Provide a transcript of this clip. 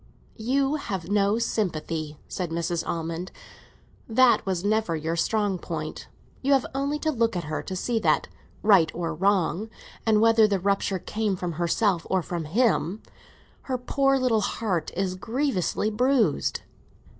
"You have no sympathy," said Mrs. Almond; "that was never your strong point. You have only to look at her to see that, right or wrong, and whether the rupture came from herself or from him, her poor little heart is grievously bruised."